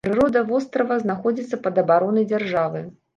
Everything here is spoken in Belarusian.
Прырода вострава знаходзіцца пад абаронай дзяржавы.